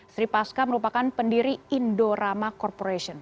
sri pasca merupakan pendiri indorama corporation